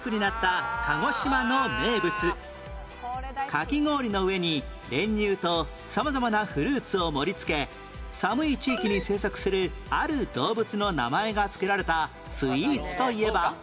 かき氷の上に練乳と様々なフルーツを盛り付け寒い地域に生息するある動物の名前がつけられたスイーツといえば？